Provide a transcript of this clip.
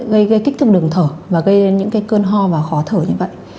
gây kích thích đường thở và gây ra những cái cơn ho và khó thở như vậy